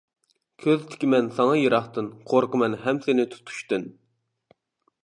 كۆز تىكىمەن ساڭا يىراقتىن قورقىمەن ھەم سېنى تۇتۇشتىن.